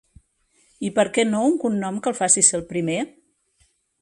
I per què no un cognom que et faci ser el primer?